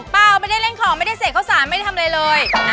เปล่าไม่ได้เล่นของต้องเสกข้าวสารไม่ได้ทำไงเลย